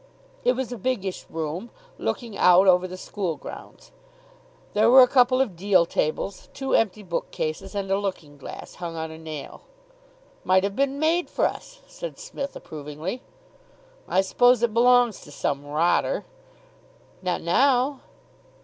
It was a biggish room, looking out over the school grounds. There were a couple of deal tables, two empty bookcases, and a looking glass, hung on a nail. "Might have been made for us," said Psmith approvingly. "I suppose it belongs to some rotter." "Not now."